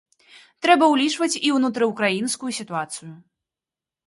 Трэба ўлічваць і ўнутрыўкраінскую сітуацыю.